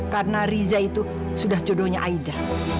karena riza itu sudah jodohnya aida